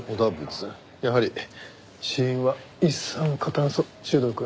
やはり死因は一酸化炭素中毒？